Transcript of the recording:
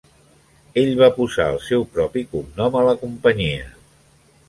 Ell va posar el seu propi cognom a la companyia.